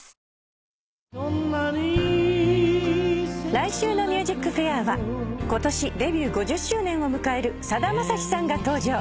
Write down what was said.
来週の『ＭＵＳＩＣＦＡＩＲ』は今年デビュー５０周年を迎えるさだまさしさんが登場。